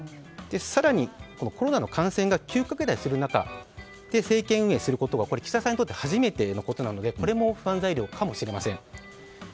更に、コロナの感染が急拡大する中で政権運営することは岸田さんにとって初めてのことなのでこれも不安材料かもしれません。